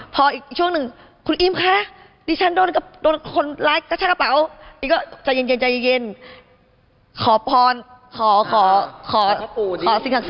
พออีกช่วงนึง